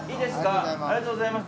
ありがとうございます。